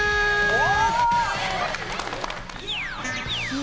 お！